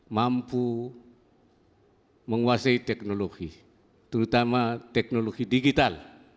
mampu menguasai teknologi terutama teknologi digital